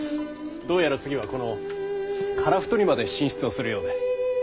どうやら次はこの樺太にまで進出をするようで。